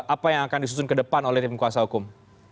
apa yang akan disusun ke depan oleh tim kuasa hukum